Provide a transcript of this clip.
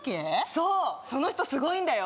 そうその人すごいんだよ